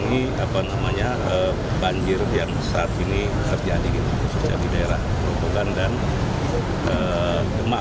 ini bisa mengurangi banjir yang saat ini terjadi di daerah perhubungan dan demak